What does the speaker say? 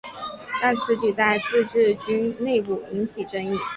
但此举在自治军内部引起争议。